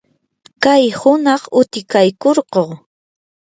kay hunaq utikaykurquu.